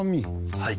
はい。